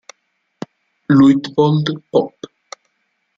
Luitpold Popp